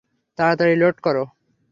তাড়াতাড়ি লোড করো।